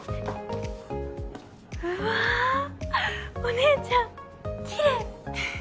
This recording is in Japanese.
うわお姉ちゃんキレイ。